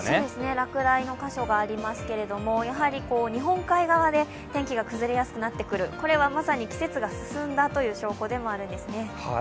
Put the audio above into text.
落雷の箇所がありますけれども、やはり日本海側で天気が崩れやすくなってくる、これはまさに季節が進んだ証拠になっているんですね。